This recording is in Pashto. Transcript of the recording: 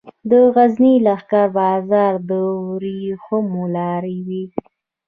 د غزني لښکر بازار د ورېښمو لارې و